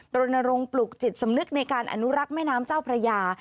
รณรงค์ปลุกจิตสำนึกในการอนุรักษ์แม่น้ำเจ้าพระยา